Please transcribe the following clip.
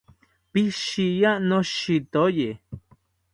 Pishiya, noshitoye